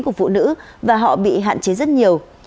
của phụ nữ và họ bị hạn chế rất nhiều